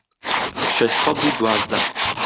شەش سەد و دوازدە